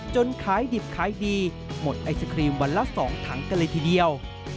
ขายดิบขายดีหมดไอศครีมวันละ๒ถังกันเลยทีเดียว